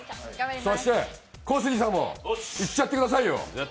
そして小杉さんもいっちゃってくださいよ。